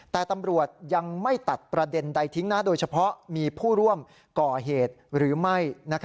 แต่ตำรวจยังไม่ตัดประเด็นใดทิ้งนะโดยเฉพาะมีผู้ร่วมก่อเหตุหรือไม่